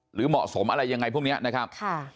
หรือเหมาะสมอะไรยังไงพวกนี้นะครับ